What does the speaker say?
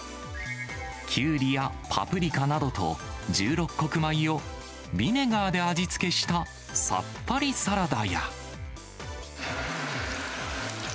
キュウリやパプリカなどと１６穀米をビネガーで味付けしたさっぱりサラダや。